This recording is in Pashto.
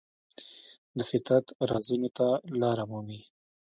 د فطرت رازونو ته لاره مومي.